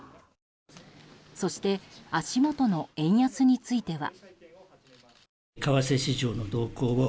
そして足元の円安については。